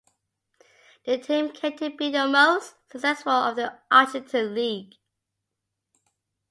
The team came to be the most successful of the Argentine league.